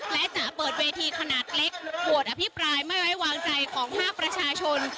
และจะเปิดเวทีขนาดเล็กโหวตอภิปรายไม่ไว้วางใจของภาคประชาชน